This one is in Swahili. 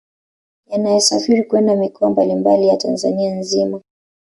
Yanayosafiri kwenda mikoa mbali mbali ya Tanzania nzima